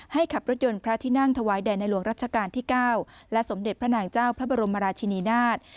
ขับรถยนต์พระที่นั่งถวายแด่ในหลวงรัชกาลที่๙และสมเด็จพระนางเจ้าพระบรมราชินีนาฏ